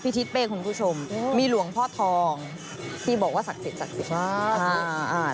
พิธิเต้คุณผู้ชมมีหลวงพ่อทองที่บอกว่าศักดิ์เสร็จ